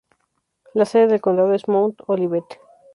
La sede del condado es Mount Olivet.